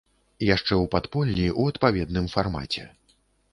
Яшчэ ў падполлі, у адпаведным фармаце.